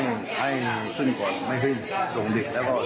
ให้ขึ้นก่อนไม่ให้ส่งเด็กแล้วก็ส่งท่านมา